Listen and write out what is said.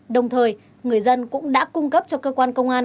đồng thời người dân cũng đã cung cấp cho cơ quan công an